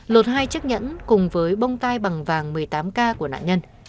lột hai chiếc nhẫn cùng với bông tay bằng vàng một mươi tám k của nạn nhân